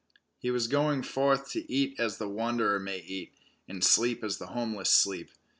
He was going forth to eat as the wanderer may eat, and sleep as the homeless sleep.